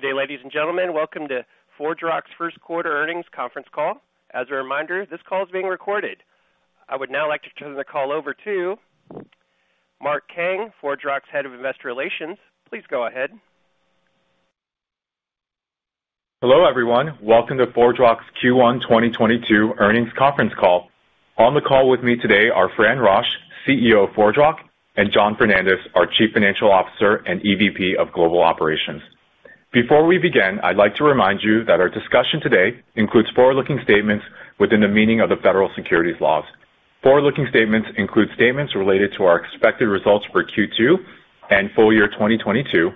Good day, ladies and gentlemen. Welcome to ForgeRock's Q1 earnings conference call. As a reminder, this call is being recorded. I would now like to turn the call over to Mark Kang, ForgeRock's Head of Investor Relations. Please go ahead. Hello, everyone. Welcome to ForgeRock's Q1 2022 earnings conference call. On the call with me today are Fran Rosch, CEO of ForgeRock, and John Fernandez, our Chief Financial Officer and EVP of Global Operations. Before we begin, I'd like to remind you that our discussion today includes forward-looking statements within the meaning of the federal securities laws. Forward-looking statements include statements related to our expected results for Q2 and full year 2022,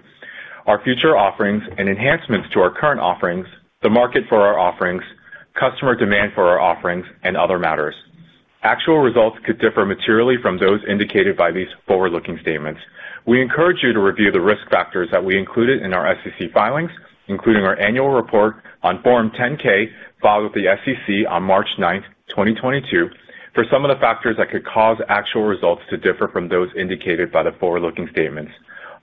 our future offerings and enhancements to our current offerings, the market for our offerings, customer demand for our offerings, and other matters. Actual results could differ materially from those indicated by these forward-looking statements. We encourage you to review the risk factors that we included in our SEC filings, including our annual report on Form 10-K filed with the SEC on March 9th, 2022, for some of the factors that could cause actual results to differ from those indicated by the forward-looking statements.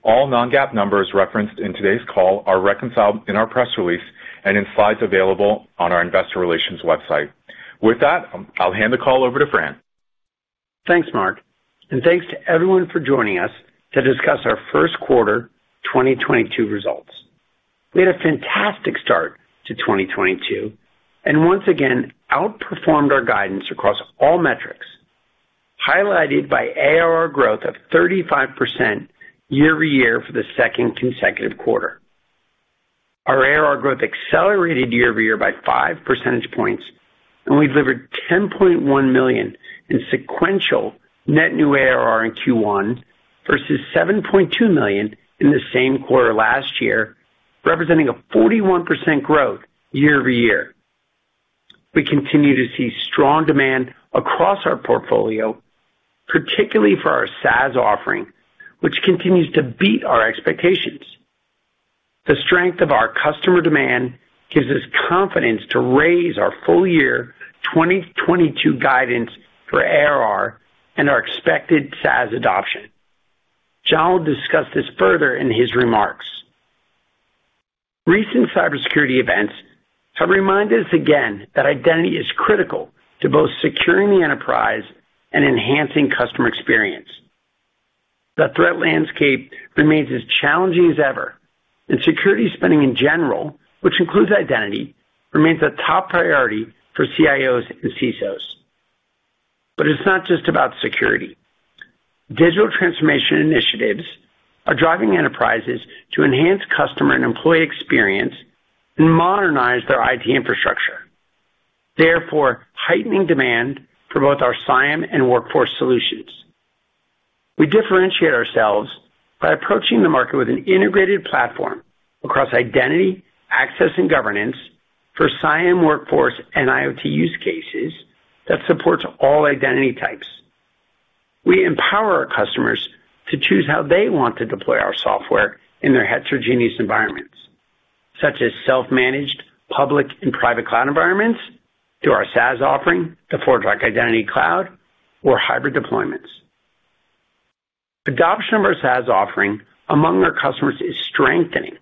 All non-GAAP numbers referenced in today's call are reconciled in our press release and in slides available on our investor relations website. With that, I'll hand the call over to Fran. Thanks, Mark, and thanks to everyone for joining us to discuss our Q1 2022 results. We had a fantastic start to 2022, and once again outperformed our guidance across all metrics, highlighted by ARR growth of 35% year-over-year for the second consecutive quarter. Our ARR growth accelerated year-over-year by 5 percentage points, and we delivered $10.1 million in sequential net new ARR in Q1 versus $7.2 million in the same quarter last year, representing a 41% growth year-over-year. We continue to see strong demand across our portfolio, particularly for our SaaS offering, which continues to beat our expectations. The strength of our customer demand gives us confidence to raise our full-year 2022 guidance for ARR and our expected SaaS adoption. John will discuss this further in his remarks. Recent cybersecurity events have reminded us again that identity is critical to both securing the enterprise and enhancing customer experience. The threat landscape remains as challenging as ever, and security spending in general, which includes identity, remains a top priority for CIOs and CISOs. It's not just about security. Digital transformation initiatives are driving enterprises to enhance customer and employee experience and modernize their IT infrastructure. Therefore, heightening demand for both our CIAM and workforce solutions. We differentiate ourselves by approaching the market with an integrated platform across identity, access, and governance for CIAM, workforce, and IoT use cases that supports all identity types. We empower our customers to choose how they want to deploy our software in their heterogeneous environments, such as self-managed public and private cloud environments through our SaaS offering, the ForgeRock Identity Cloud or hybrid deployments. Adoption of our SaaS offering among our customers is strengthening,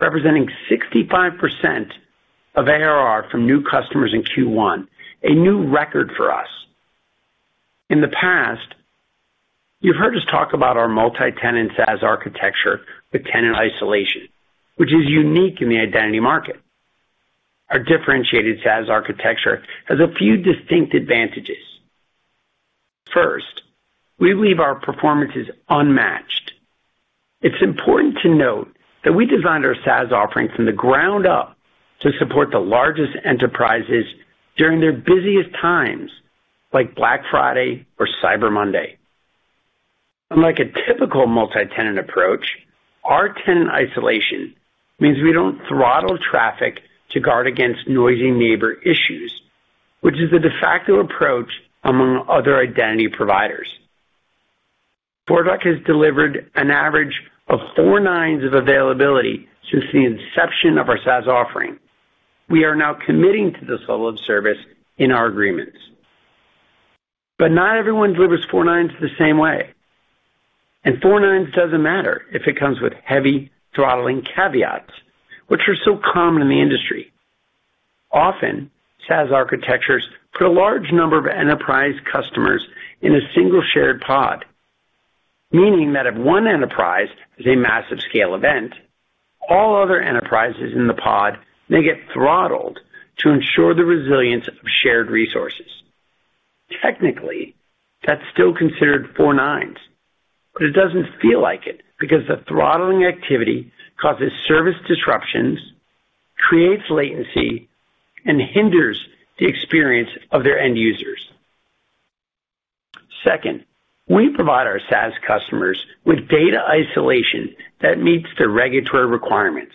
representing 65% of ARR from new customers in Q1, a new record for us. In the past, you've heard us talk about our multi-tenant SaaS architecture with tenant isolation, which is unique in the identity market. Our differentiated SaaS architecture has a few distinct advantages. First, we believe our performance is unmatched. It's important to note that we designed our SaaS offering from the ground up to support the largest enterprises during their busiest times, like Black Friday or Cyber Monday. Unlike a typical multi-tenant approach, our tenant isolation means we don't throttle traffic to guard against noisy neighbor issues, which is a de facto approach among other identity providers. ForgeRock has delivered an average of four nines of availability since the inception of our SaaS offering. We are now committing to this level of service in our agreements. not everyone delivers four nines the same way, and four nines doesn't matter if it comes with heavy throttling caveats, which are so common in the industry. Often, SaaS architectures put a large number of enterprise customers in a single shared pod, meaning that if one enterprise has a massive scale event, all other enterprises in the pod may get throttled to ensure the resilience of shared resources. Technically, that's still considered four nines, but it doesn't feel like it because the throttling activity causes service disruptions, creates latency, and hinders the experience of their end users. Second, we provide our SaaS customers with data isolation that meets their regulatory requirements.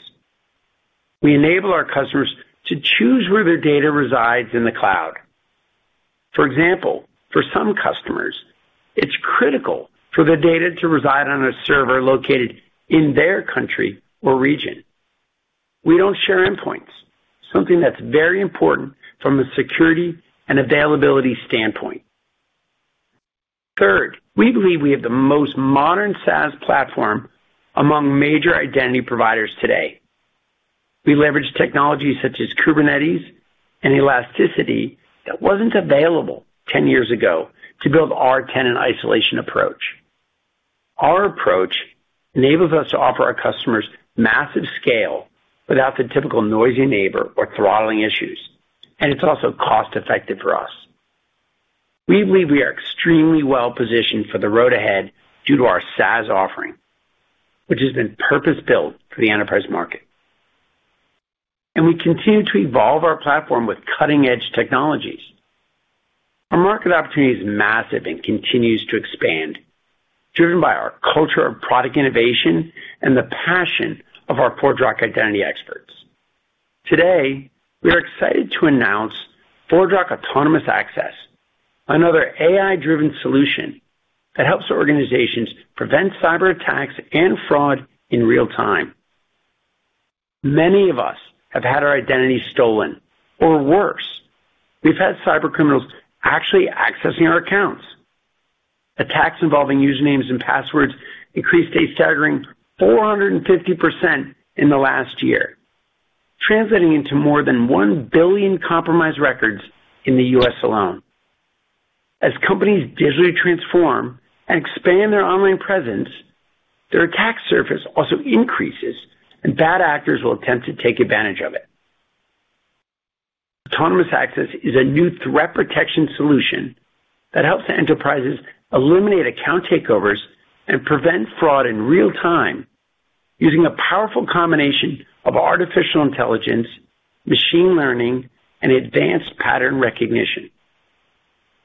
We enable our customers to choose where their data resides in the cloud. For example, for some customers, it's critical for their data to reside on a server located in their country or region. We don't share endpoints, something that's very important from a security and availability standpoint. Third, we believe we have the most modern SaaS platform among major identity providers today. We leverage technologies such as Kubernetes and elasticity that wasn't available 10 years ago to build our tenant isolation approach. Our approach enables us to offer our customers massive scale without the typical noisy neighbor or throttling issues, and it's also cost effective for us. We believe we are extremely well-positioned for the road ahead due to our SaaS offering, which has been purpose-built for the enterprise market. We continue to evolve our platform with cutting-edge technologies. Our market opportunity is massive and continues to expand, driven by our culture of product innovation and the passion of our ForgeRock identity experts. Today, we are excited to announce ForgeRock Autonomous Access, another AI-driven solution that helps organizations prevent cyberattacks and fraud in real time. Many of us have had our identity stolen, or worse, we've had cybercriminals actually accessing our accounts. Attacks involving usernames and passwords increased a staggering 450% in the last year, translating into more than 1 billion compromised records in the U.S. alone. As companies digitally transform and expand their online presence, their attack surface also increases, and bad actors will attempt to take advantage of it. Autonomous Access is a new threat protection solution that helps enterprises eliminate account takeovers and prevent fraud in real time using a powerful combination of artificial intelligence, machine learning, and advanced pattern recognition.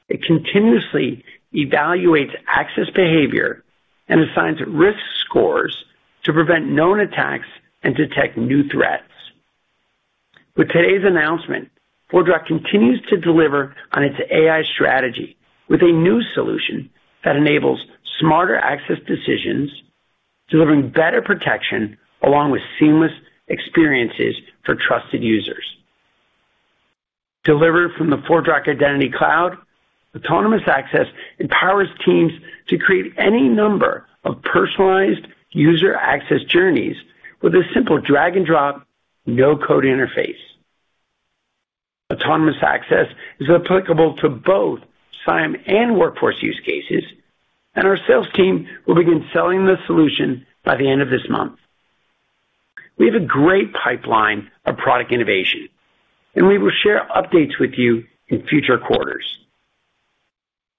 It continuously evaluates access behavior and assigns risk scores to prevent known attacks and detect new threats. With today's announcement, ForgeRock continues to deliver on its AI strategy with a new solution that enables smarter access decisions, delivering better protection along with seamless experiences for trusted users. Delivered from the ForgeRock Identity Cloud, Autonomous Access empowers teams to create any number of personalized user access journeys with a simple drag and drop, no-code interface. Autonomous Access is applicable to both CIAM and workforce use cases, and our sales team will begin selling the solution by the end of this month. We have a great pipeline of product innovation, and we will share updates with you in future quarters.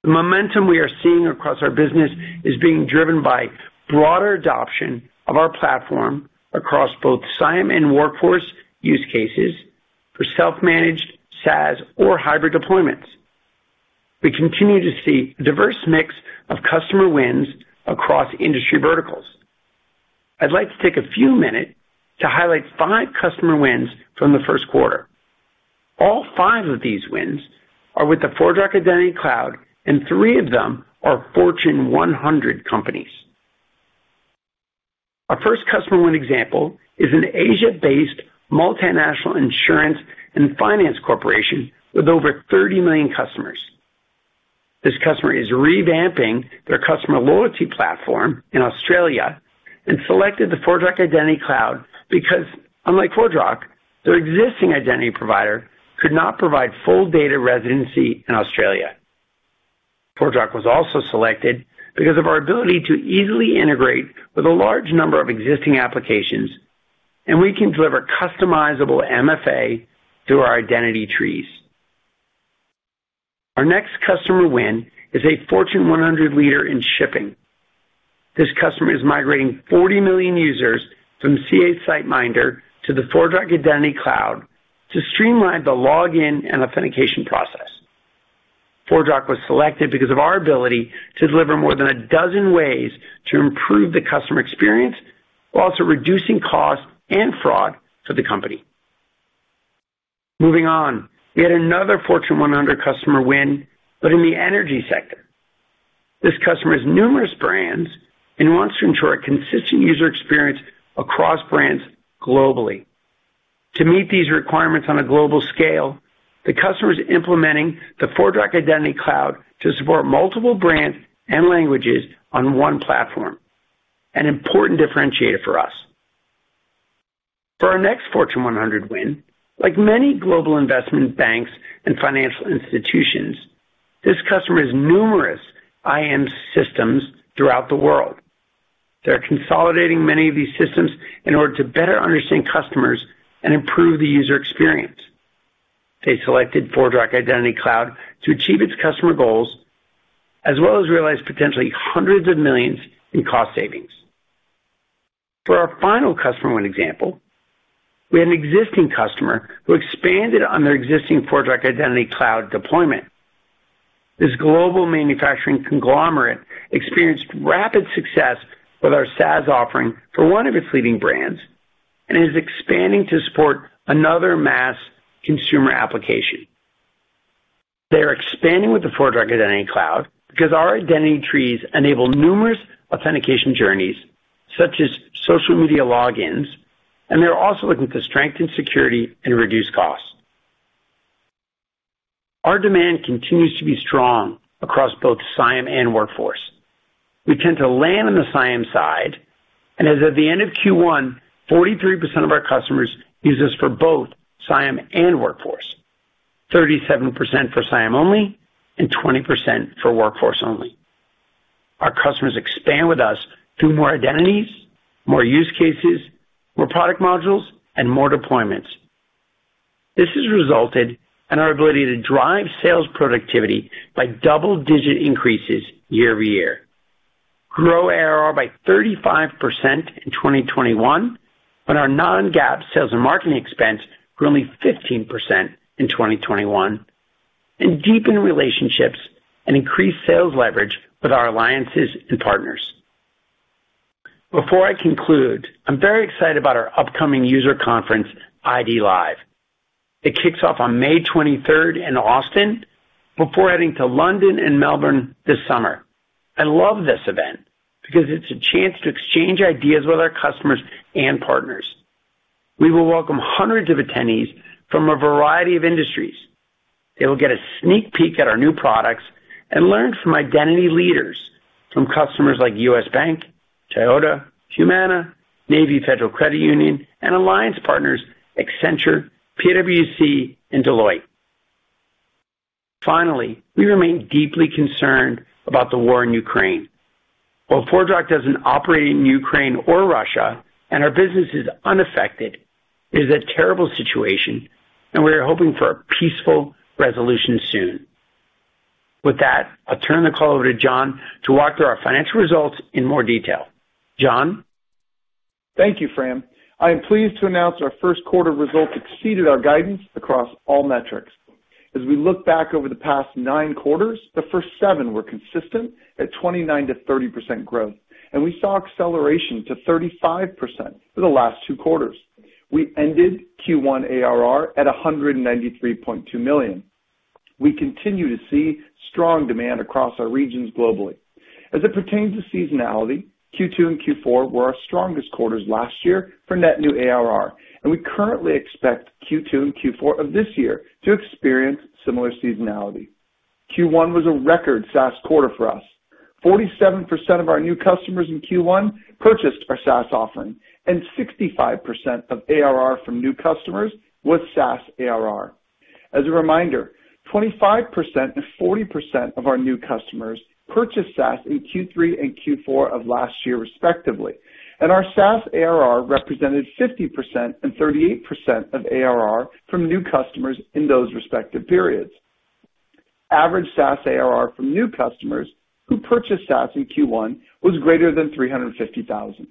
The momentum we are seeing across our business is being driven by broader adoption of our platform across both CIAM and workforce use cases for self-managed SaaS or hybrid deployments. We continue to see a diverse mix of customer wins across industry verticals. I'd like to take a few minutes to highlight five customer wins from the Q1. All five of these wins are with the ForgeRock Identity Cloud, and three of them are Fortune 100 companies. Our first customer win example is an Asia-based multinational insurance and finance corporation with over 30 million customers. This customer is revamping their customer loyalty platform in Australia and selected the ForgeRock Identity Cloud because, unlike ForgeRock, their existing identity provider could not provide full data residency in Australia. ForgeRock was also selected because of our ability to easily integrate with a large number of existing applications, and we can deliver customizable MFA through our identity trees. Our next customer win is a Fortune 100 leader in shipping. This customer is migrating 40 million users from CA SiteMinder to the ForgeRock Identity Cloud to streamline the login and authentication process. ForgeRock was selected because of our ability to deliver more than a dozen ways to improve the customer experience while also reducing cost and fraud for the company. Moving on. We had another Fortune 100 customer win, but in the energy sector. This customer has numerous brands and wants to ensure a consistent user experience across brands globally. To meet these requirements on a global scale, the customer is implementing the ForgeRock Identity Cloud to support multiple brands and languages on one platform, an important differentiator for us. For our next Fortune 100 win, like many global investment banks and financial institutions, this customer has numerous IAM systems throughout the world. They are consolidating many of these systems in order to better understand customers and improve the user experience. They selected ForgeRock Identity Cloud to achieve its customer goals, as well as realize potentially hundreds of millions in cost savings. For our final customer win example, we have an existing customer who expanded on their existing ForgeRock Identity Cloud deployment. This global manufacturing conglomerate experienced rapid success with our SaaS offering for one of its leading brands and is expanding to support another mass consumer application. They are expanding with the ForgeRock Identity Cloud because our identity trees enable numerous authentication journeys such as social media logins, and they're also looking to strengthen security and reduce costs. Our demand continues to be strong across both CIAM and Workforce. We tend to land on the CIAM side, and as of the end of Q1, 43% of our customers use us for both CIAM and Workforce, 37% for CIAM only, and 20% for Workforce only. Our customers expand with us through more identities, more use cases, more product modules, and more deployments. This has resulted in our ability to drive sales productivity by double-digit increases year-over-year, grow ARR by 35% in 2021, but our non-GAAP sales and marketing expense grew only 15% in 2021, and deepen relationships and increase sales leverage with our alliances and partners. Before I conclude, I'm very excited about our upcoming user conference, IDLive. It kicks off on May 23rd in Austin before heading to London and Melbourne this summer. I love this event because it's a chance to exchange ideas with our customers and partners. We will welcome hundreds of attendees from a variety of industries. They will get a sneak peek at our new products and learn from identity leaders, from customers like US Bank, Toyota, Humana, Navy Federal Credit Union, and alliance partners Accenture, PwC, and Deloitte. Finally, we remain deeply concerned about the war in Ukraine. While ForgeRock doesn't operate in Ukraine or Russia and our business is unaffected, it is a terrible situation, and we are hoping for a peaceful resolution soon. With that, I'll turn the call over to John to walk through our financial results in more detail. John? Thank you, Fran. I am pleased to announce our Q1 results exceeded our guidance across all metrics. As we look back over the past nine quarters, the first seven were consistent at 29%-30% growth, and we saw acceleration to 35% for the last two quarters. We ended Q1 ARR at $193.2 million. We continue to see strong demand across our regions globally. As it pertains to seasonality, Q2 and Q4 were our strongest quarters last year for net new ARR, and we currently expect Q2 and Q4 of this year to experience similar seasonality. Q1 was a record SaaS quarter for us. 47% of our new customers in Q1 purchased our SaaS offering, and 65% of ARR from new customers was SaaS ARR. As a reminder, 25% and 40% of our new customers purchased SaaS in Q3 and Q4 of last year, respectively, and our SaaS ARR represented 50% and 38% of ARR from new customers in those respective periods. Average SaaS ARR from new customers who purchased SaaS in Q1 was greater than $350,000.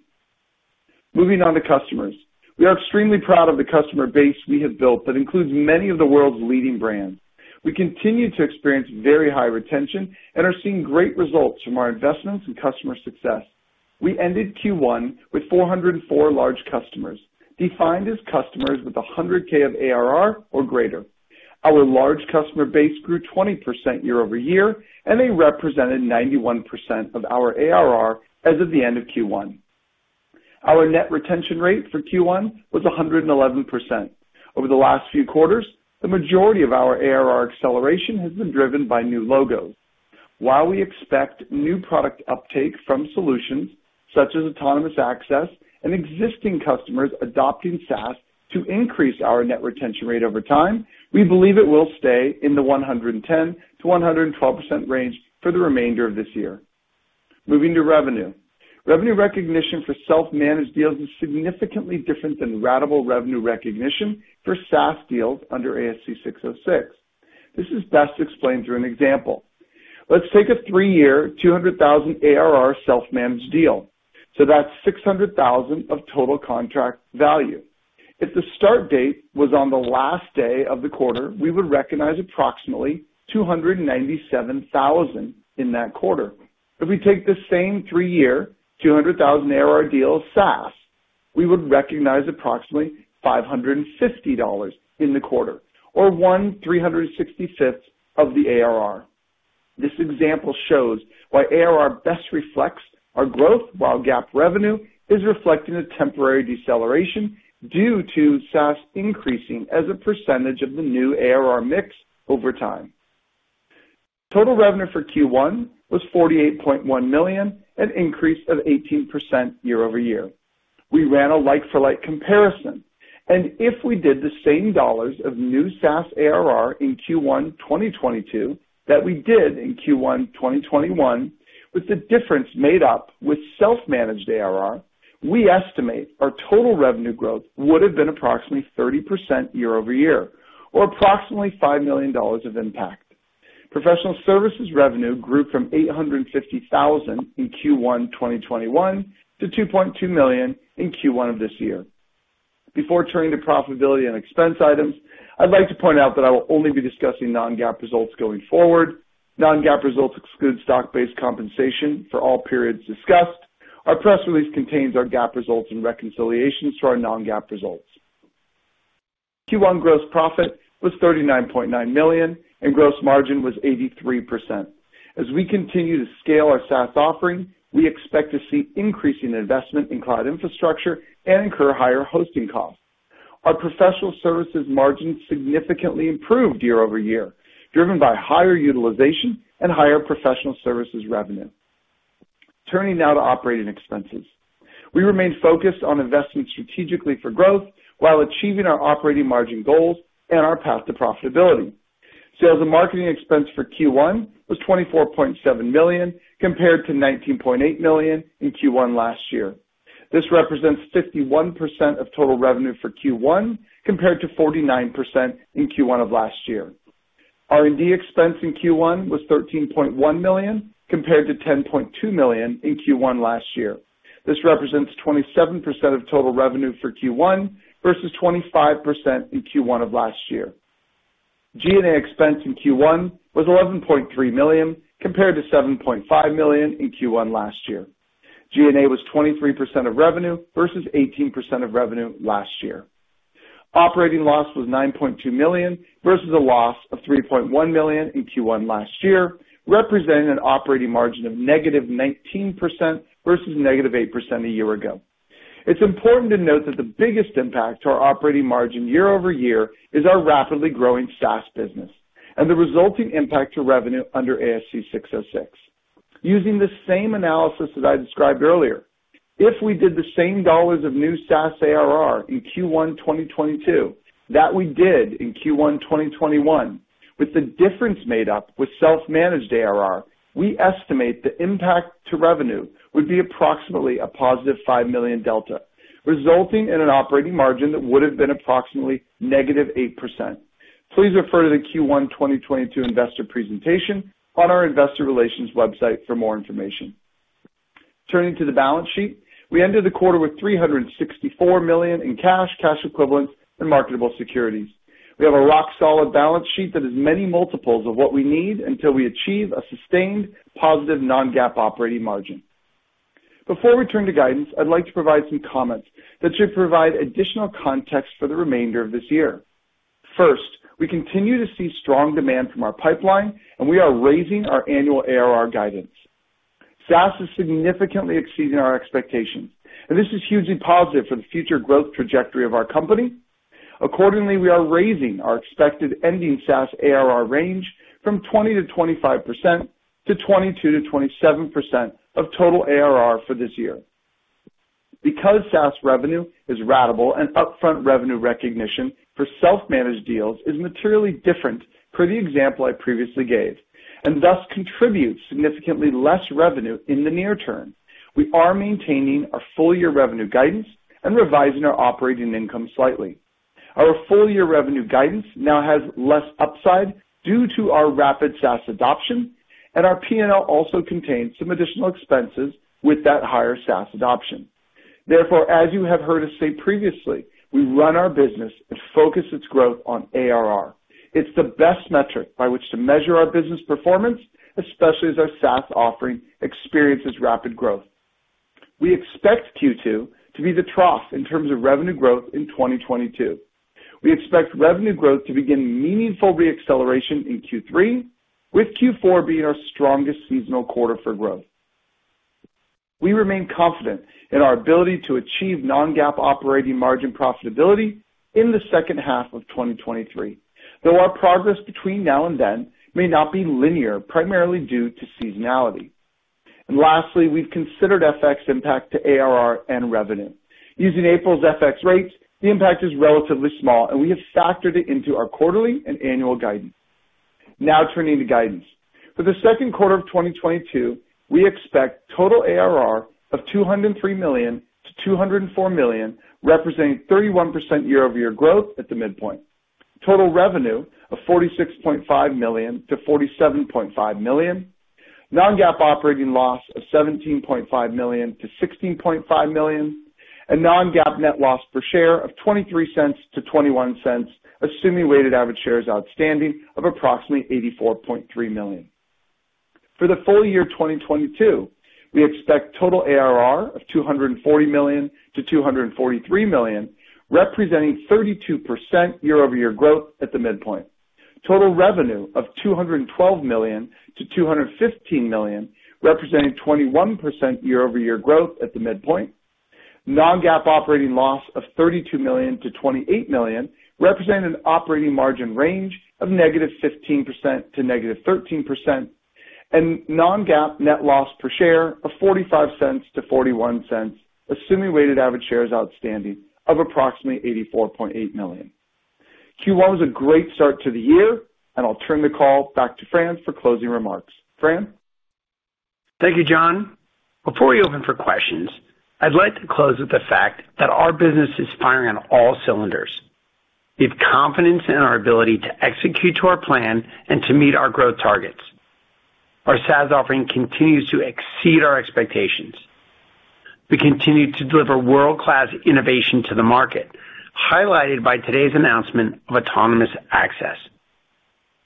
Moving on to customers. We are extremely proud of the customer base we have built that includes many of the world's leading brands. We continue to experience very high retention and are seeing great results from our investments in customer success. We ended Q1 with 404 large customers, defined as customers with $100K of ARR or greater. Our large customer base grew 20% year-over-year, and they represented 91% of our ARR as of the end of Q1. Our net retention rate for Q1 was 111%. Over the last few quarters, the majority of our ARR acceleration has been driven by new logos. While we expect new product uptake from solutions such as Autonomous Access and existing customers adopting SaaS to increase our net retention rate over time, we believe it will stay in the 110%-112% range for the remainder of this year. Moving to revenue. Revenue recognition for self-managed deals is significantly different than ratable revenue recognition for SaaS deals under ASC 606. This is best explained through an example. Let's take a three-year, $200,000 ARR self-managed deal, so that's $600,000 of total contract value. If the start date was on the last day of the quarter, we would recognize approximately $297,000 in that quarter. If we take the same three-year, 200,000 ARR deal SaaS, we would recognize approximately $550 in the quarter or 1/365th of the ARR. This example shows why ARR best reflects our growth, while GAAP revenue is reflecting a temporary deceleration due to SaaS increasing as a percentage of the new ARR mix over time. Total revenue for Q1 was $48.1 million, an increase of 18% year-over-year. We ran a like-for-like comparison, and if we did the same dollars of new SaaS ARR in Q1 2022 that we did in Q1 2021, with the difference made up with self-managed ARR, we estimate our total revenue growth would have been approximately 30% year-over-year or approximately $5 million of impact. Professional services revenue grew from $850,000 in Q1 2021 to $2.2 million in Q1 of this year. Before turning to profitability and expense items, I'd like to point out that I will only be discussing non-GAAP results going forward. Non-GAAP results exclude stock-based compensation for all periods discussed. Our press release contains our GAAP results and reconciliations to our non-GAAP results. Q1 gross profit was $39.9 million, and gross margin was 83%. We continue to scale our SaaS offering, we expect to see increasing investment in cloud infrastructure and incur higher hosting costs. Our professional services margin significantly improved year-over-year, driven by higher utilization and higher professional services revenue. Turning now to operating expenses. We remain focused on investing strategically for growth while achieving our operating margin goals and our path to profitability. Sales and marketing expense for Q1 was $24.7 million compared to $19.8 million in Q1 last year. This represents 51% of total revenue for Q1 compared to 49% in Q1 of last year. R&D expense in Q1 was $13.1 million compared to $10.2 million in Q1 last year. This represents 27% of total revenue for Q1 versus 25% in Q1 of last year. G&A expense in Q1 was $11.3 million compared to $7.5 million in Q1 last year. G&A was 23% of revenue versus 18% of revenue last year. Operating loss was $9.2 million versus a loss of $3.1 million in Q1 last year, representing an operating margin of -19% versus -8% a year ago. It's important to note that the biggest impact to our operating margin year-over-year is our rapidly growing SaaS business and the resulting impact to revenue under ASC 606. Using the same analysis that I described earlier, if we did the same dollars of new SaaS ARR in Q1 2022 that we did in Q1 2021, with the difference made up with self-managed ARR, we estimate the impact to revenue would be approximately a positive $5 million delta, resulting in an operating margin that would have been approximately -8%. Please refer to the Q1 2022 investor presentation on our investor relations website for more information. Turning to the balance sheet. We ended the quarter with $364 million in cash equivalents, and marketable securities. We have a rock-solid balance sheet that is many multiples of what we need until we achieve a sustained positive non-GAAP operating margin. Before we turn to guidance, I'd like to provide some comments that should provide additional context for the remainder of this year. First, we continue to see strong demand from our pipeline, and we are raising our annual ARR guidance. SaaS is significantly exceeding our expectations, and this is hugely positive for the future growth trajectory of our company. Accordingly, we are raising our expected ending SaaS ARR range from 20%-25% to 22%-27% of total ARR for this year. Because SaaS revenue is ratable and upfront revenue recognition for self-managed deals is materially different per the example I previously gave, and thus contributes significantly less revenue in the near term, we are maintaining our full-year revenue guidance and revising our operating income slightly. Our full-year revenue guidance now has less upside due to our rapid SaaS adoption, and our P&L also contains some additional expenses with that higher SaaS adoption. Therefore, as you have heard us say previously, we run our business and focus its growth on ARR. It's the best metric by which to measure our business performance, especially as our SaaS offering experiences rapid growth. We expect Q2 to be the trough in terms of revenue growth in 2022. We expect revenue growth to begin meaningful re-acceleration in Q3, with Q4 being our strongest seasonal quarter for growth. We remain confident in our ability to achieve non-GAAP operating margin profitability in the H2 of 2023, though our progress between now and then may not be linear, primarily due to seasonality. Lastly, we've considered FX impact to ARR and revenue. Using April's FX rates, the impact is relatively small, and we have factored it into our quarterly and annual guidance. Now turning to guidance. For the Q2 of 2022, we expect total ARR of $203 million-$204 million, representing 31% year-over-year growth at the midpoint. Total revenue of $46.5 million-$47.5 million. Non-GAAP operating loss of $17.5 million-$16.5 million. Non-GAAP net loss per share of $0.23-$0.21, assuming weighted average shares outstanding of approximately $84.3 million. For the full year 2022, we expect total ARR of $240 million-$243 million, representing 32% year-over-year growth at the midpoint. Total revenue of $212 million-$215 million, representing 21% year-over-year growth at the midpoint. Non-GAAP operating loss of $32 million-$28 million, representing an operating margin range of -15% to -13%. Non-GAAP net loss per share of $0.45-$0.41, assuming weighted average shares outstanding of approximately $84.8 million. Q1 was a great start to the year, and I'll turn the call back to Fran for closing remarks. Fran? Thank you, John. Before we open for questions, I'd like to close with the fact that our business is firing on all cylinders. We have confidence in our ability to execute to our plan and to meet our growth targets. Our SaaS offering continues to exceed our expectations. We continue to deliver world-class innovation to the market, highlighted by today's announcement of Autonomous Access.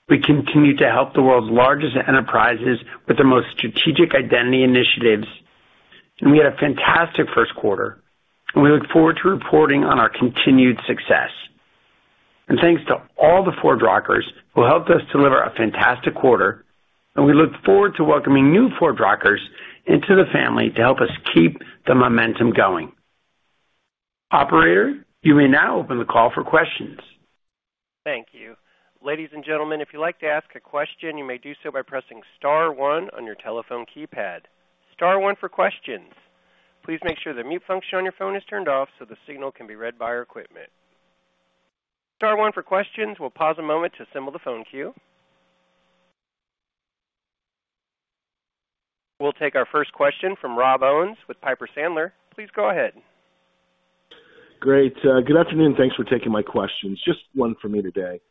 We continue to help the world's largest enterprises with their most strategic identity initiatives, and we had a fantastic Q1, and we look forward to reporting on our continued success. Thanks to all the ForgeRockers who helped us deliver a fantastic quarter, and we look forward to welcoming new ForgeRockers into the family to help us keep the momentum going. Operator, you may now open the call for questions. Thank you. Ladies and gentlemen, if you'd like to ask a question, you may do so by pressing star one on your telephone keypad. Star one for questions. Please make sure the mute function on your phone is turned off so the signal can be read by our equipment. Star one for questions. We'll pause a moment to assemble the phone queue. We'll take our first question from Rob Owens with Piper Sandler. Please go ahead. Great. Good afternoon. Thanks for taking my questions. Just one for me today.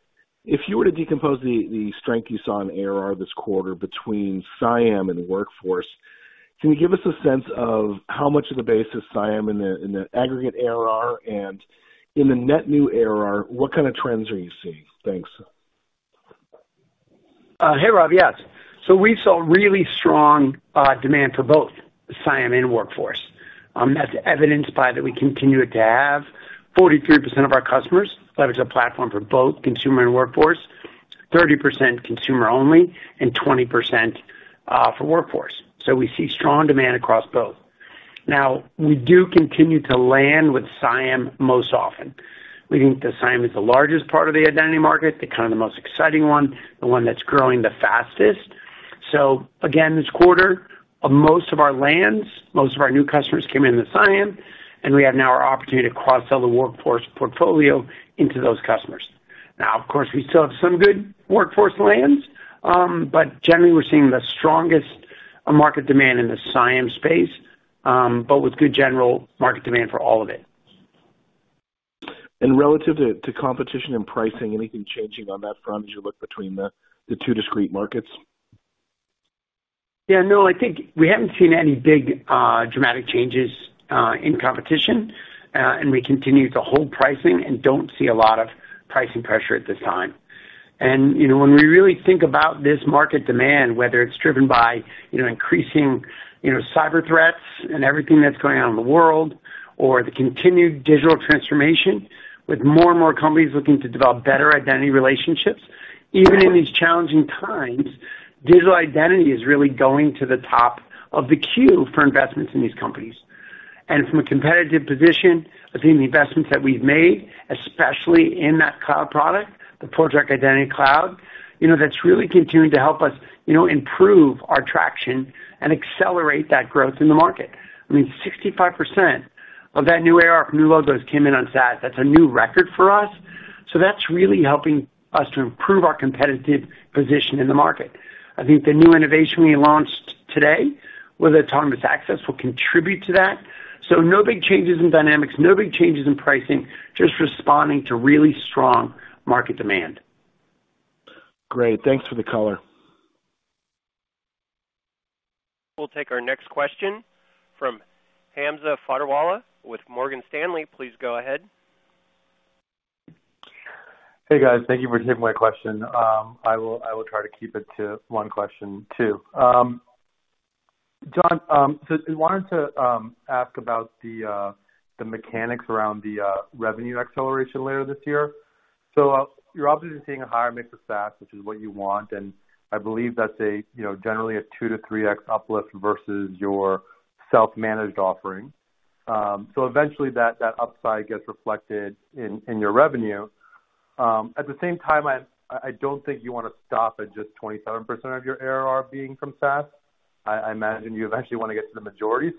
If you were to decompose the strength you saw in ARR this quarter between CIAM and Workforce, can you give us a sense of how much of the base is CIAM in the aggregate ARR? In the net new ARR, what kind of trends are you seeing? Thanks. Hey, Rob. Yes. We saw really strong demand for both CIAM and Workforce, as evidenced by that we continue to have 43% of our customers leverage the platform for both consumer and workforce, 30% consumer only, and 20% for Workforce. We see strong demand across both. Now, we do continue to land with CIAM most often. We think that CIAM is the largest part of the identity market, the kind of the most exciting one, the one that's growing the fastest. Again, this quarter, most of our lands, most of our new customers came in with CIAM, and we have now our opportunity to cross-sell the Workforce portfolio into those customers. Now, of course, we still have some good workforce lands, but generally, we're seeing the strongest market demand in the CIAM space, but with good general market demand for all of it. Relative to competition and pricing, anything changing on that front as you look between the two discrete markets? Yeah, no, I think we haven't seen any big, dramatic changes in competition. We continue to hold pricing and don't see a lot of pricing pressure at this time. You know, when we really think about this market demand, whether it's driven by, you know, increasing, you know, cyber threats and everything that's going on in the world or the continued digital transformation, with more and more companies looking to develop better identity relationships. Even in these challenging times, digital identity is really going to the top of the queue for investments in these companies. From a competitive position between the investments that we've made, especially in that cloud product, the ForgeRock Identity Cloud, you know, that's really continuing to help us, you know, improve our traction and accelerate that growth in the market. I mean, 65% of that new ARR from new logos came in on SaaS. That's a new record for us. That's really helping us to improve our competitive position in the market. I think the new innovation we launched today with Autonomous Access will contribute to that. No big changes in dynamics, no big changes in pricing, just responding to really strong market demand. Great. Thanks for the color. We'll take our next question from Hamza Fodderwala with Morgan Stanley. Please go ahead. Hey, guys. Thank you for taking my question. I will try to keep it to one question too. John, so I wanted to ask about the mechanics around the revenue acceleration later this year. You're obviously seeing a higher mix of SaaS, which is what you want, and I believe that's a, you know, generally a 2x-3x uplift versus your self-managed offering. So eventually that upside gets reflected in your revenue. At the same time, I don't think you wanna stop at just 27% of your ARR being from SaaS. I imagine you eventually wanna get to the majority.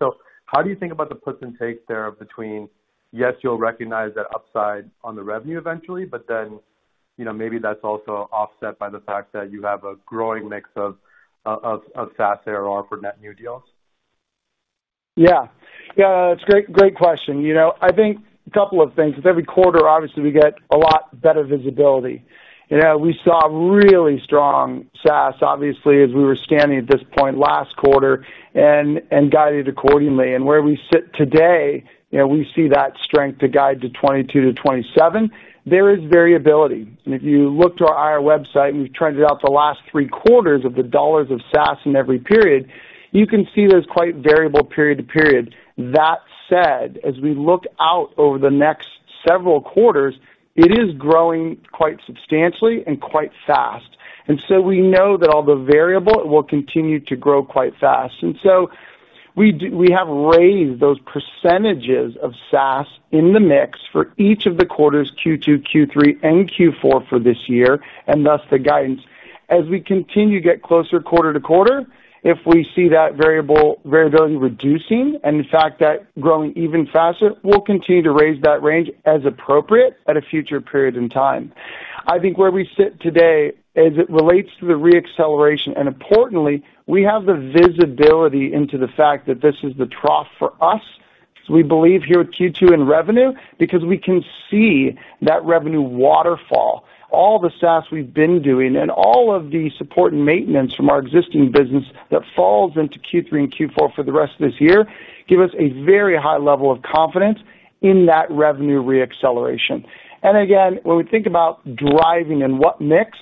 How do you think about the puts and takes there between, yes, you'll recognize that upside on the revenue eventually, but then, you know, maybe that's also offset by the fact that you have a growing mix of SaaS ARR for net new deals? Yeah. It's great question. You know, I think a couple of things, with every quarter, obviously, we get a lot better visibility. You know, we saw really strong SaaS, obviously, as we were standing at this point last quarter and guided accordingly. Where we sit today, you know, we see that strength to guide to 22-27. There is variability. If you look to our IR website, and you trend it out the last three quarters of the dollars of SaaS in every period, you can see there's quite variable period to period. That said, as we look out over the next several quarters, it is growing quite substantially and quite fast. We know that all the variability will continue to grow quite fast. We have raised those percentages of SaaS in the mix for each of the quarters, Q2, Q3, and Q4 for this year, and thus the guidance. As we continue to get closer quarter to quarter, if we see that variability reducing and the fact that growing even faster, we'll continue to raise that range as appropriate at a future period in time. I think where we sit today as it relates to the re-acceleration, and importantly, we have the visibility into the fact that this is the trough for us, so we believe here at Q2 in revenue, because we can see that revenue waterfall. All the SaaS we've been doing and all of the support and maintenance from our existing business that falls into Q3 and Q4 for the rest of this year, give us a very high level of confidence in that revenue re-acceleration. Again, when we think about driving and what mix-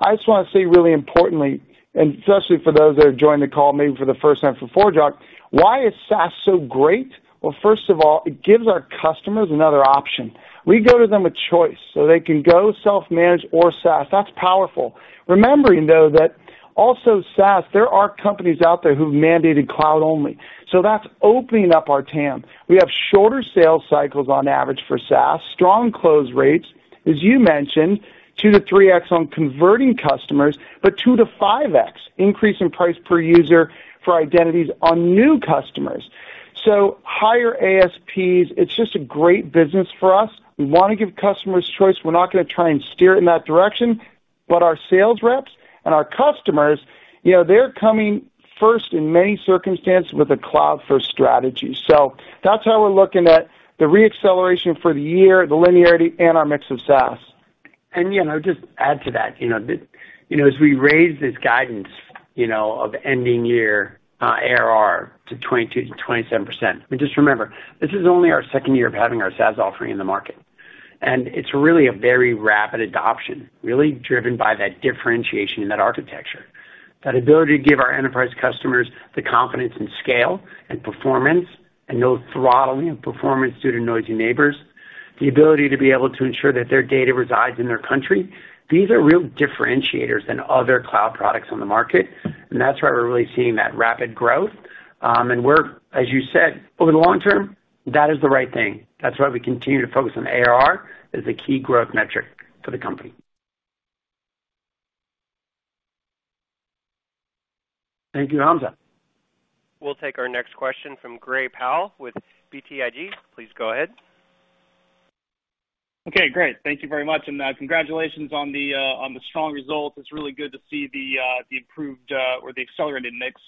I just wanna say really importantly, and especially for those that are joining the call maybe for the first time for ForgeRock, why is SaaS so great? Well, first of all, it gives our customers another option. We go to them with choice, so they can go self-managed or SaaS. That's powerful. Remembering, though, that also SaaS, there are companies out there who've mandated cloud only, so that's opening up our TAM. We have shorter sales cycles on average for SaaS, strong close rates, as you mentioned, 2x-3x on converting customers, but 2x-5x increase in price per user for identities on new customers. Higher ASPs, it's just a great business for us. We wanna give customers choice. We're not gonna try and steer in that direction, but our sales reps and our customers, you know, they're coming first in many circumstances with a cloud-first strategy. That's how we're looking at the re-acceleration for the year, the linearity, and our mix of SaaS. You know, just add to that, you know, You know, as we raise this guidance, you know, of ending year ARR to 20%-27%. I mean, just remember, this is only our second year of having our SaaS offering in the market, and it's really a very rapid adoption, really driven by that differentiation in that architecture. That ability to give our enterprise customers the confidence and scale and performance, and no throttling of performance due to noisy neighbors, the ability to be able to ensure that their data resides in their country. These are real differentiators than other cloud products on the market, and that's why we're really seeing that rapid growth. As you said, over the long term, that is the right thing. That's why we continue to focus on ARR as the key growth metric for the company. Thank you, Hamza. We'll take our next question from Gray Powell with BTIG. Please go ahead. Okay, great. Thank you very much, and congratulations on the strong results. It's really good to see the improved or accelerated mix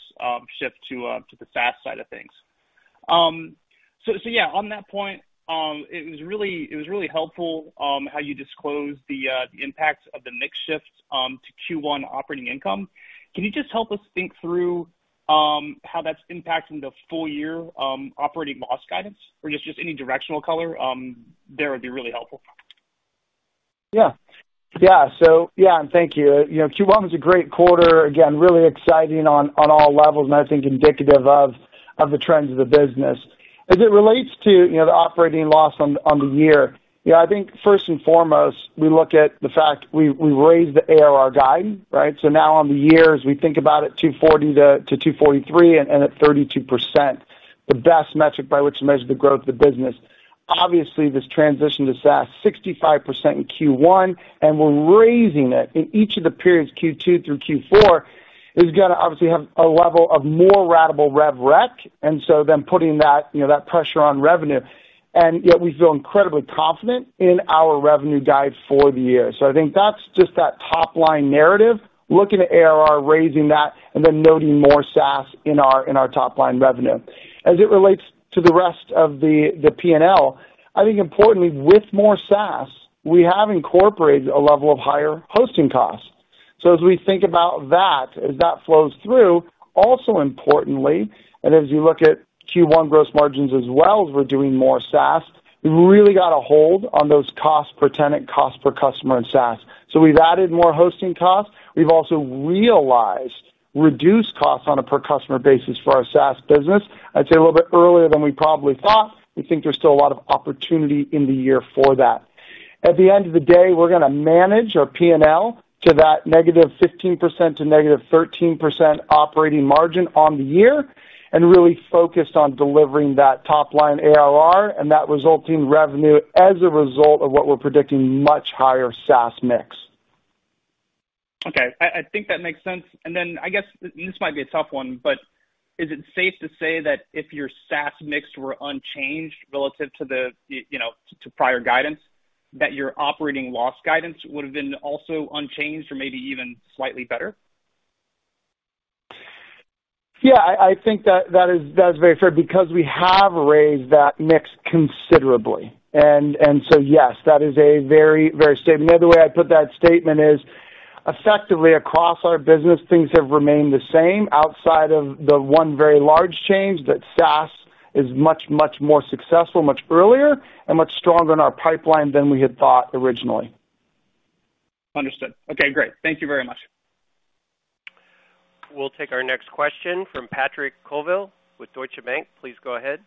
shift to the SaaS side of things. So yeah, on that point, it was really helpful how you disclosed the impacts of the mix shift to Q1 operating income. Can you just help us think through how that's impacting the full year operating loss guidance? Or just any directional color there would be really helpful. Yeah. Yeah. Yeah, thank you. You know, Q1 was a great quarter, again, really exciting on all levels, and I think indicative of the trends of the business. As it relates to, you know, the operating loss on the year, you know, I think first and foremost we look at the fact we raised the ARR guide, right? Now on the year, as we think about it, $240-$243 and at 32%, the best metric by which to measure the growth of the business. Obviously, this transition to SaaS, 65% in Q1, and we're raising it in each of the periods Q2 through Q4, is gonna obviously have a level of more ratable rev rec, and so putting that, you know, that pressure on revenue. Yet we feel incredibly confident in our revenue guide for the year. I think that's just that top-line narrative, looking at ARR, raising that, and then noting more SaaS in our top-line revenue. As it relates to the rest of the P&L, I think importantly, with more SaaS, we have incorporated a level of higher hosting costs. As we think about that, as that flows through, also importantly, and as you look at Q1 gross margins as well, as we're doing more SaaS, we really got a hold on those costs per tenant, cost per customer in SaaS. We've added more hosting costs. We've also realized reduced costs on a per customer basis for our SaaS business, I'd say a little bit earlier than we probably thought. We think there's still a lot of opportunity in the year for that. At the end of the day, we're gonna manage our P&L to that -15% to -13% operating margin on the year, and really focused on delivering that top line ARR and that resulting revenue as a result of what we're predicting much higher SaaS mix. Okay. I think that makes sense. I guess, and this might be a tough one, but is it safe to say that if your SaaS mix were unchanged relative to the, you know, to prior guidance, that your operating loss guidance would have been also unchanged or maybe even slightly better? Yeah, I think that is very fair because we have raised that mix considerably. Yes, that is a very fair statement. The other way I'd put that statement is, effectively across our business, things have remained the same outside of the one very large change that SaaS is much more successful, much earlier and much stronger in our pipeline than we had thought originally. Understood. Okay, great. Thank you very much. We'll take our next question from Patrick Colville with Deutsche Bank. Please go ahead.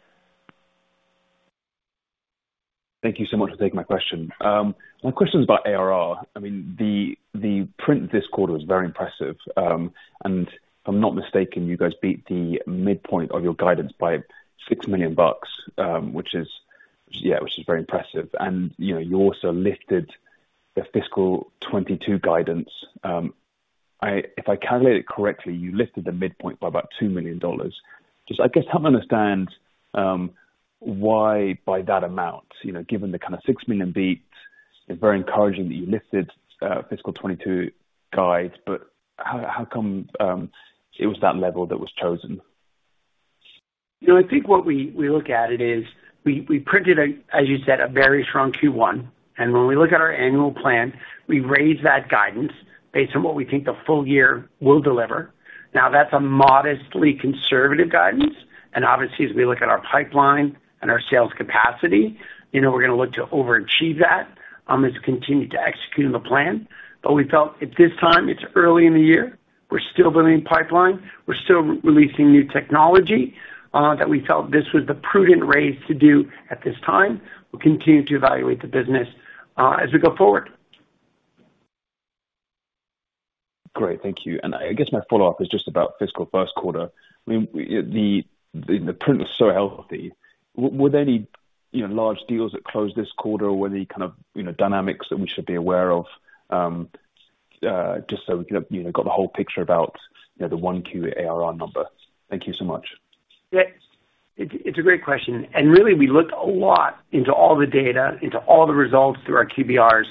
Thank you so much for taking my question. My question is about ARR. I mean, the print this quarter was very impressive. If I'm not mistaken, you guys beat the midpoint of your guidance by $6 million, which is very impressive. You know, you also lifted the fiscal 2022 guidance. If I calculate it correctly, you lifted the midpoint by about $2 million. Just, I guess help me understand why by that amount, you know, given the kinda $6 million beat, it's very encouraging that you lifted fiscal 2022 guide, but how come it was that level that was chosen? You know, I think what we look at it is we printed a, as you said, a very strong Q1, and when we look at our annual plan, we raised that guidance based on what we think the full year will deliver. Now, that's a modestly conservative guidance, and obviously, as we look at our pipeline and our sales capacity, you know, we're gonna look to overachieve that, as we continue to execute on the plan. We felt at this time, it's early in the year. We're still building pipeline. We're still releasing new technology, that we felt this was the prudent raise to do at this time. We'll continue to evaluate the business, as we go forward. Great. Thank you. I guess my follow-up is just about fiscal Q1. I mean, the print was so healthy. Were there any, you know, large deals that closed this quarter, or were there any kind of, you know, dynamics that we should be aware of, just so we can, you know, get the whole picture about, you know, the Q1 number. Thank you so much. Yeah. It's a great question, and really we looked a lot into all the data, into all the results through our QBRs,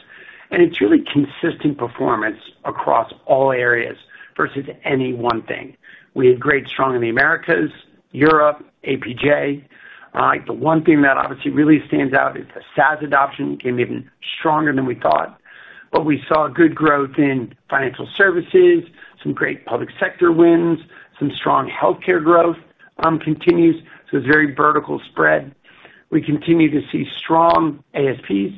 and it's really consistent performance across all areas versus any one thing. We had great, strong in the Americas, Europe, APJ. The one thing that obviously really stands out is the SaaS adoption came even stronger than we thought. We saw good growth in financial services, some great public sector wins, some strong healthcare growth continues. It's very vertical spread. We continue to see strong ASPs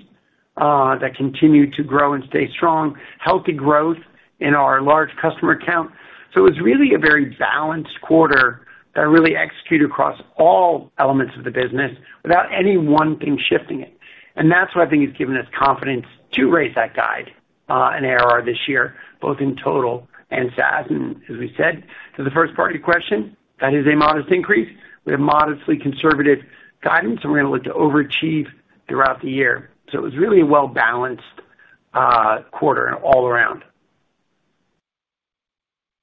that continue to grow and stay strong. Healthy growth in our large customer count. It's really a very balanced quarter that really execute across all elements of the business without any one thing shifting it. That's what I think has given us confidence to raise that guide, in ARR this year, both in total and SaaS. As we said to the first part of your question, that is a modest increase. We have modestly conservative guidance, and we're gonna look to overachieve throughout the year. It was really a well-balanced quarter all around.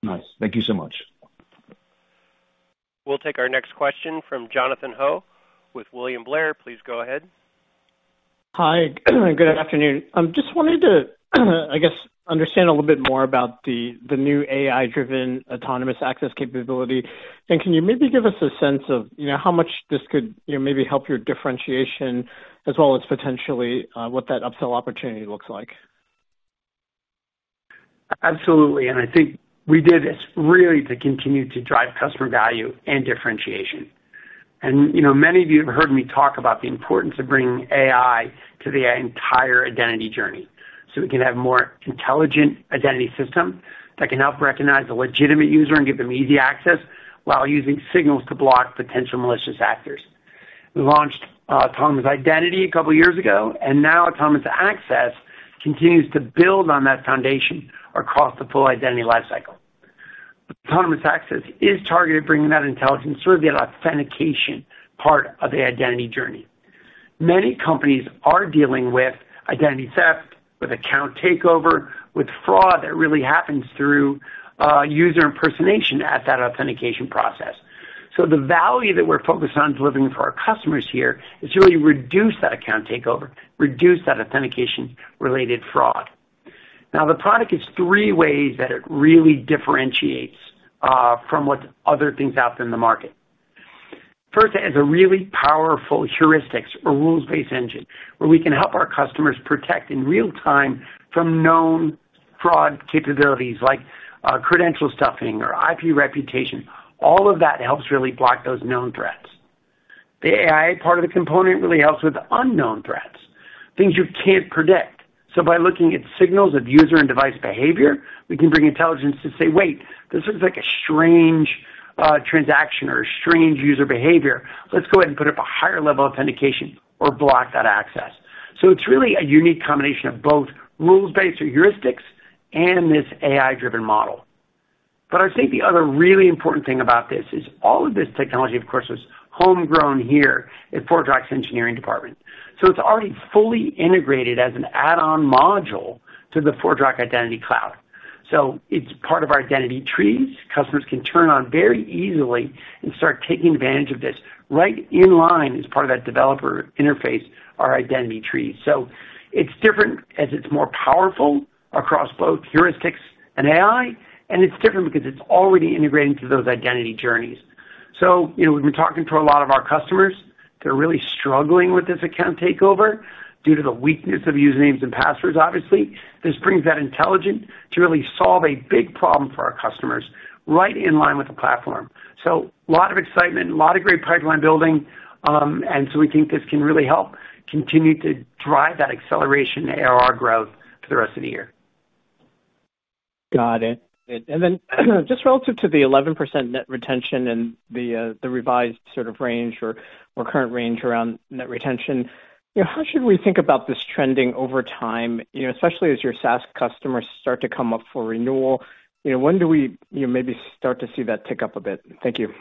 Nice. Thank you so much. We'll take our next question from Jonathan Ho with William Blair. Please go ahead. Hi. Good afternoon. Just wanted to, I guess, understand a little bit more about the new AI-driven Autonomous Access capability. Can you maybe give us a sense of, you know, how much this could, you know, maybe help your differentiation as well as potentially what that upsell opportunity looks like? Absolutely. I think we did this really to continue to drive customer value and differentiation. You know, many of you have heard me talk about the importance of bringing AI to the entire identity journey, so we can have more intelligent identity system that can help recognize a legitimate user and give them easy access while using signals to block potential malicious actors. We launched Autonomous Identity a couple years ago, and now Autonomous Access continues to build on that foundation across the full identity life cycle. Autonomous Access is targeted at bringing that intelligence, sort of that authentication part of the identity journey. Many companies are dealing with identity theft, with account takeover, with fraud that really happens through user impersonation at that authentication process. The value that we're focused on delivering for our customers here is really reduce that account takeover, reduce that authentication-related fraud. Now, the product is three ways that it really differentiates from what other things out there in the market. First, it has a really powerful heuristics or rules-based engine, where we can help our customers protect in real time from known fraud capabilities like credential stuffing or IP reputation. All of that helps really block those known threats. The AI part of the component really helps with unknown threats, things you can't predict. By looking at signals of user and device behavior, we can bring intelligence to say, "Wait, this looks like a strange transaction or a strange user behavior. Let's go ahead and put up a higher level authentication or block that access." It's really a unique combination of both rules-based or heuristics and this AI-driven model. I would say the other really important thing about this is all of this technology, of course, was homegrown here at ForgeRock's engineering department. It's already fully integrated as an add-on module to the ForgeRock Identity Cloud. It's part of our identity trees customers can turn on very easily and start taking advantage of this right in line as part of that developer interface, our identity tree. It's different as it's more powerful across both heuristics and AI, and it's different because it's already integrated into those identity journeys. You know, we've been talking to a lot of our customers. They're really struggling with this account takeover due to the weakness of usernames and passwords obviously. This brings that intelligence to really solve a big problem for our customers right in line with the platform. A lot of excitement, a lot of great pipeline building, and so we think this can really help continue to drive that acceleration in ARR growth for the rest of the year. Got it. Then just relative to the 11% net retention and the revised sort of range or current range around net retention, you know, how should we think about this trending over time, you know, especially as your SaaS customers start to come up for renewal? You know, when do we, you know, maybe start to see that tick up a bit? Thank you.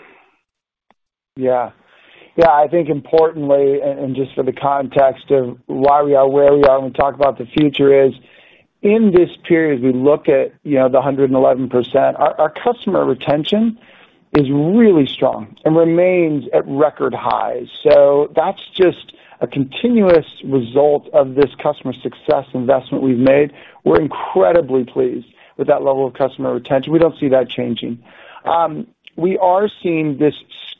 Yeah. Yeah, I think importantly, and just for the context of why we are where we are when we talk about the future is in this period, we look at, you know, the 111%. Our customer retention is really strong and remains at record highs. That's just a continuous result of this customer success investment we've made. We're incredibly pleased with that level of customer retention. We don't see that changing. We are seeing this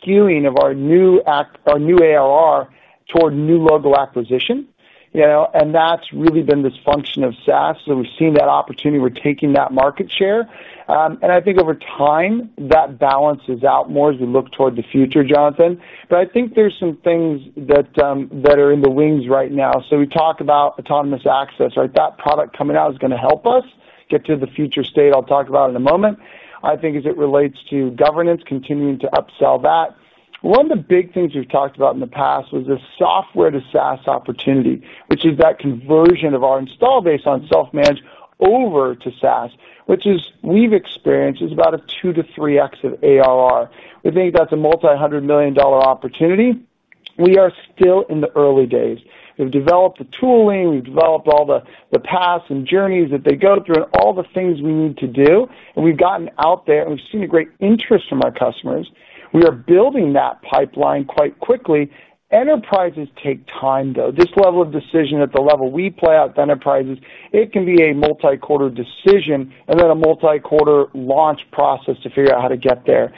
skewing of our new ARR toward new logo acquisition, you know, and that's really been this function of SaaS. We've seen that opportunity. We're taking that market share. I think over time, that balances out more as we look toward the future, Jonathan. I think there's some things that are in the wings right now. We talk about Autonomous Access, right? That product coming out is gonna help us get to the future state I'll talk about in a moment. I think as it relates to governance, continuing to upsell that. One of the big things we've talked about in the past was the software to SaaS opportunity, which is that conversion of our install base on self-managed over to SaaS, which is we've experienced is about a 2x-3x of ARR. We think that's a multi-hundred million dollar opportunity. We are still in the early days. We've developed the tooling, we've developed all the paths and journeys that they go through and all the things we need to do, and we've gotten out there, and we've seen a great interest from our customers. We are building that pipeline quite quickly. Enterprises take time, though. This level of decision at the level we play in the enterprises, it can be a multi-quarter decision and then a multi-quarter launch process to figure out how to get there.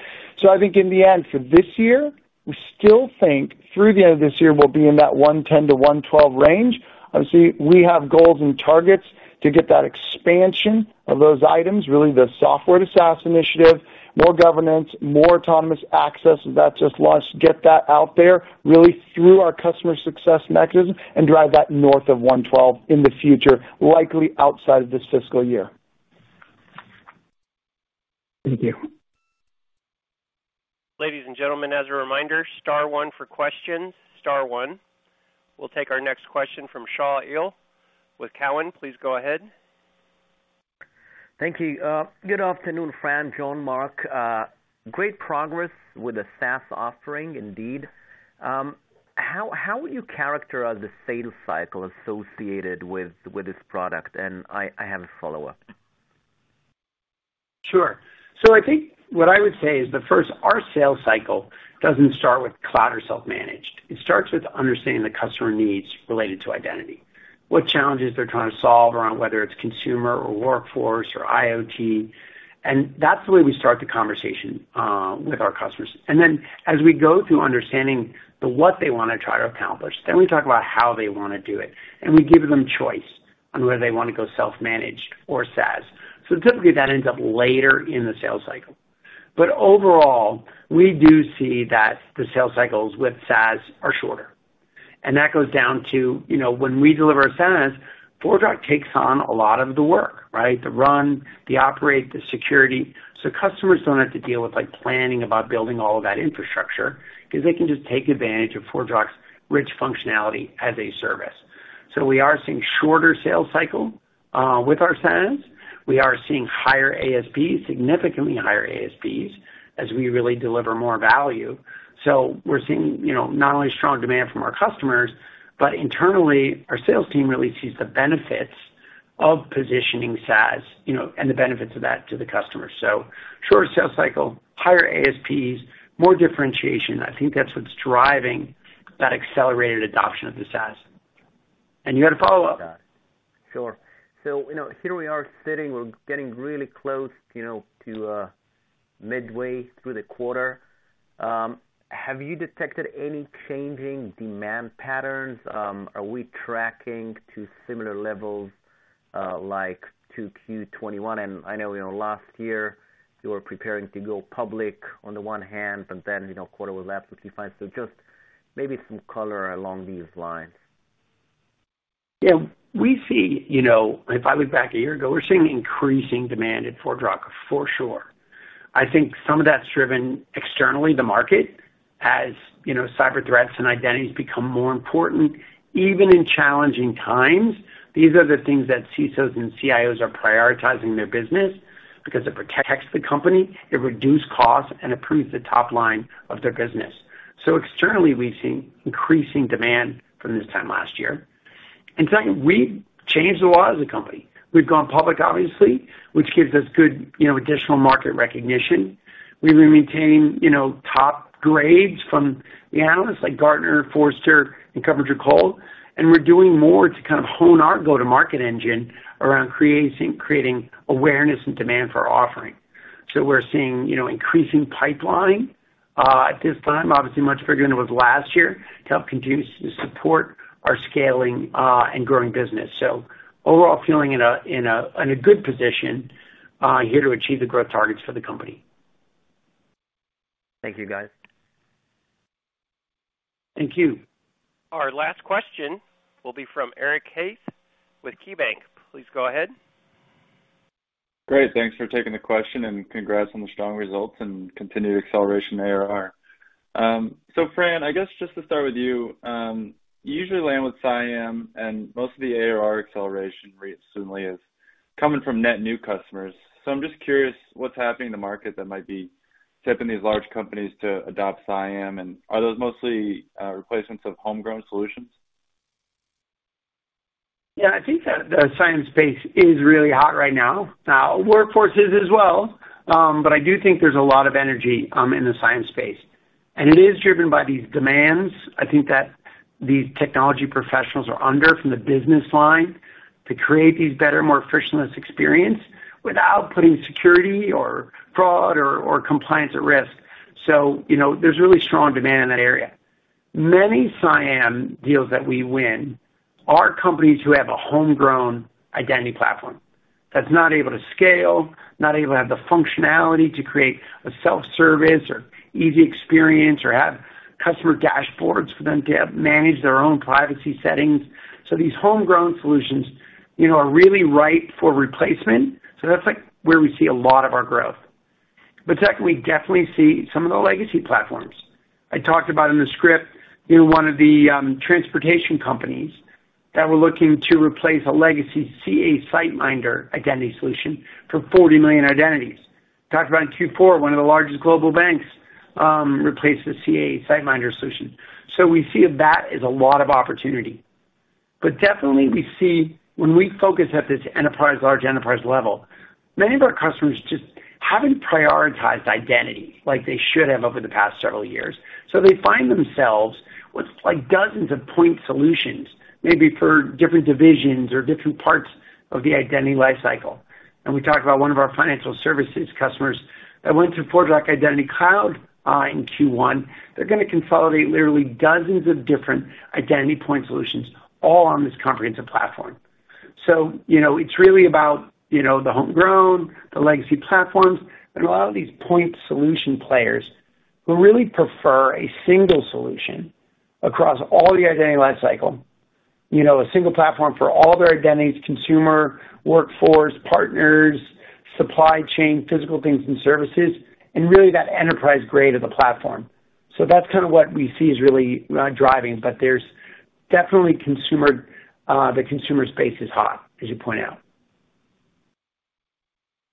I think in the end, for this year, we still think through the end of this year, we'll be in that $110-$112 range. Obviously, we have goals and targets to get that expansion of those items, really the software to SaaS initiative, more governance, more Autonomous Access that just launched. Get that out there really through our customer success mechanism and drive that north of $112 in the future, likely outside of this fiscal year. Thank you. Ladies and gentlemen, as a reminder, star one for questions. Star one. We'll take our next question from Shaul Eyal with Cowen. Please go ahead. Thank you. Good afternoon, Fran, John, Mark. Great progress with the SaaS offering indeed. How would you characterize the sales cycle associated with this product? I have a follow-up. Sure. I think what I would say is that first, our sales cycle doesn't start with cloud or self-managed. It starts with understanding the customer needs related to identity. What challenges they're trying to solve around whether it's consumer or workforce or IoT. That's the way we start the conversation with our customers. As we go through understanding what they wanna try to accomplish, then we talk about how they wanna do it, and we give them choice on whether they wanna go self-managed or SaaS. Typically that ends up later in the sales cycle. Overall, we do see that the sales cycles with SaaS are shorter. That goes down to, you know, when we deliver a SaaS, ForgeRock takes on a lot of the work, right? The run, the operate, the security. Customers don't have to deal with, like, planning about building all of that infrastructure 'cause they can just take advantage of ForgeRock's rich functionality as a service. We are seeing shorter sales cycle with our SaaS. We are seeing higher ASPs, significantly higher ASPs as we really deliver more value. We're seeing, you know, not only strong demand from our customers, but internally, our sales team really sees the benefits of positioning SaaS, you know, and the benefits of that to the customer. Shorter sales cycle, higher ASPs, more differentiation. I think that's what's driving that accelerated adoption of the SaaS. You had a follow-up. Sure. You know, here we are sitting. We're getting really close, you know, to midway through the quarter. Have you detected any changing demand patterns? Are we tracking to similar levels like to Q21? I know, you know, last year, you were preparing to go public on the one hand, but then, you know, quarter was left with Q2. Just maybe some color along these lines. Yeah, we see, you know, if I look back a year ago, we're seeing increasing demand at ForgeRock for sure. I think some of that's driven externally the market. As, you know, cyber threats and identities become more important. Even in challenging times, these are the things that CISOs and CIOs are prioritizing their business because it protects the company, it reduce costs, and improves the top line of their business. Externally, we've seen increasing demand from this time last year. Second, we've changed a lot as a company. We've gone public, obviously, which gives us good, you know, additional market recognition. We've been maintaining, you know, top grades from the analysts like Gartner, Forrester, and KuppingerCole. We're doing more to kind of hone our go-to-market engine around creating awareness and demand for our offering. We're seeing, you know, increasing pipeline at this time, obviously much bigger than it was last year, to help continue to support our scaling and growing business. Overall feeling in a good position here to achieve the growth targets for the company. Thank you, guys. Thank you. Our last question will be from Eric Heath with KeyBanc. Please go ahead. Great. Thanks for taking the question, and congrats on the strong results and continued acceleration ARR. Fran, I guess just to start with you usually land with CIAM and most of the ARR acceleration rate certainly is coming from net new customers. I'm just curious what's happening in the market that might be tipping these large companies to adopt CIAM, and are those mostly replacements of homegrown solutions? Yeah. I think the CIAM space is really hot right now. Now, Workforce is as well. But I do think there's a lot of energy in the CIAM space, and it is driven by these demands, I think that these technology professionals are under from the business line to create these better, more frictionless experience without putting security or fraud or compliance at risk. You know, there's really strong demand in that area. Many CIAM deals that we win are companies who have a homegrown identity platform that's not able to scale, not able to have the functionality to create a self-service or easy experience or have customer dashboards for them to have to manage their own privacy settings. These homegrown solutions, you know, are really ripe for replacement. That's, like, where we see a lot of our growth. Second, we definitely see some of the legacy platforms. I talked about in the script, you know, one of the transportation companies that were looking to replace a legacy CA SiteMinder identity solution for 40 million identities. Talked about in Q4, one of the largest global banks replaced the CA SiteMinder solution. So we see that as a lot of opportunity. We definitely see when we focus at this enterprise, large enterprise level, many of our customers just haven't prioritized identity like they should have over the past several years. So they find themselves with, like, dozens of point solutions, maybe for different divisions or different parts of the identity lifecycle. We talked about one of our financial services customers that went to ForgeRock Identity Cloud in Q1. They're gonna consolidate literally dozens of different identity point solutions all on this comprehensive platform. You know, it's really about, you know, the homegrown, the legacy platforms, and a lot of these point solution players who really prefer a single solution across all the identity lifecycle. You know, a single platform for all their identities, consumer, workforce, partners, supply chain, physical things and services, and really that enterprise grade of the platform. That's kinda what we see is really not driving, but there's definitely the consumer space is hot, as you point out.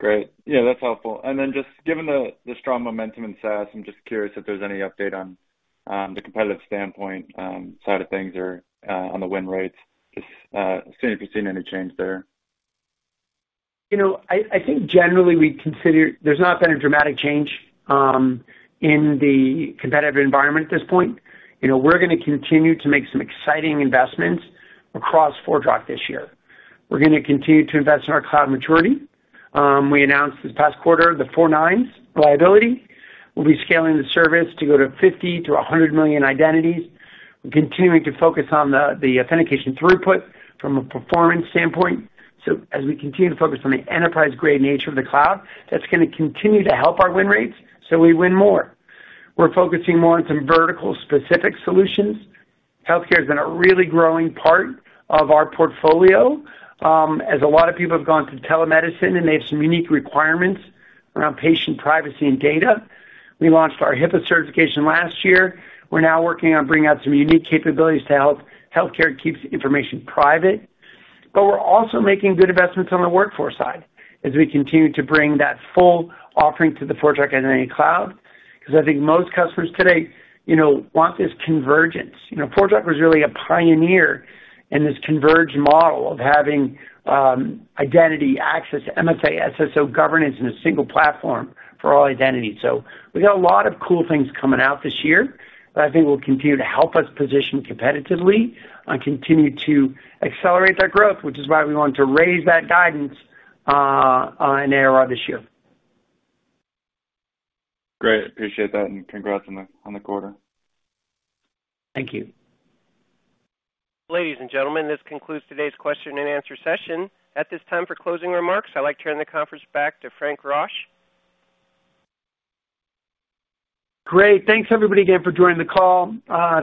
Great. Yeah, that's helpful. Just given the strong momentum in SaaS, I'm just curious if there's any update on the competitive standpoint, side of things or on the win rates, just seeing if you've seen any change there. You know, I think generally we consider there's not been a dramatic change in the competitive environment at this point. You know, we're gonna continue to make some exciting investments across ForgeRock this year. We're gonna continue to invest in our cloud maturity. We announced this past quarter the four nines reliability. We'll be scaling the service to go to 50-100 million identities. We're continuing to focus on the authentication throughput from a performance standpoint. As we continue to focus on the enterprise-grade nature of the cloud, that's gonna continue to help our win rates, so we win more. We're focusing more on some vertical specific solutions. Healthcare has been a really growing part of our portfolio, as a lot of people have gone to telemedicine, and they have some unique requirements around patient privacy and data. We launched our HIPAA certification last year. We're now working on bringing out some unique capabilities to help healthcare keeps information private. We're also making good investments on the workforce side as we continue to bring that full offering to the ForgeRock Identity Cloud. 'Cause I think most customers today, you know, want this convergence. You know, ForgeRock was really a pioneer in this converged model of having identity access, MFA, SSO governance in a single platform for all identities. We got a lot of cool things coming out this year that I think will continue to help us position competitively and continue to accelerate that growth, which is why we want to raise that guidance in ARR this year. Great. Appreciate that, and congrats on the quarter. Thank you. Ladies and gentlemen, this concludes today's question and answer session. At this time, for closing remarks, I'd like to turn the conference back to Fran Rosch. Great. Thanks everybody again for joining the call.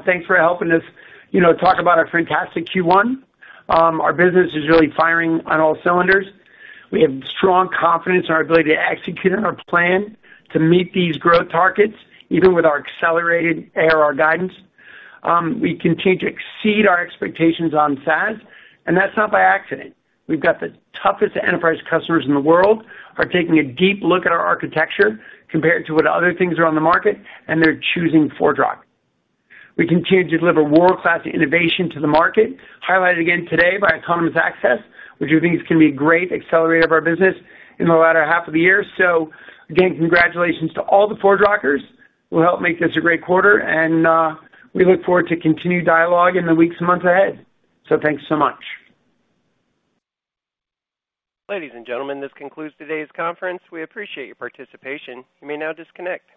Thanks for helping us, you know, talk about our fantastic Q1. Our business is really firing on all cylinders. We have strong confidence in our ability to execute on our plan to meet these growth targets, even with our accelerated ARR guidance. We continue to exceed our expectations on SaaS, and that's not by accident. We've got the toughest enterprise customers in the world, are taking a deep look at our architecture compared to what other things are on the market, and they're choosing ForgeRock. We continue to deliver world-class innovation to the market, highlighted again today by Autonomous Access, which we think is gonna be a great accelerator of our business in the latter half of the year. Again, congratulations to all the ForgeRockers who helped make this a great quarter, and we look forward to continued dialogue in the weeks and months ahead. Thanks so much. Ladies and gentlemen, this concludes today's conference. We appreciate your participation. You may now disconnect.